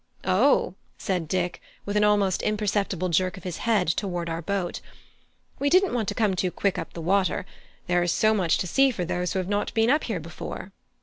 "O," said Dick, with an almost imperceptible jerk of his head toward our boat, "we didn't want to come too quick up the water; there is so much to see for those who have not been up here before."